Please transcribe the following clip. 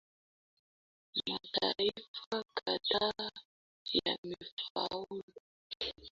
Mataifa kadhaa yamefaulu kuharamisha utamaduni huu lakini bado kuna jamii zinatekeleza kisiri siri